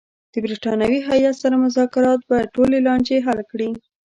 د برټانوي هیات سره مذاکرات به ټولې لانجې حل کړي.